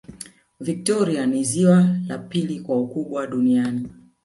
victoria ni ziwa la pili kwa ukubwa duniani